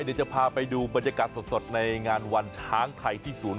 เดี๋ยวจะพาไปดูบรรยากาศสดในงานวันช้างไทยที่ศูนย์